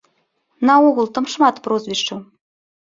Наогул там шмат прозвішчаў.